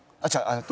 えっと。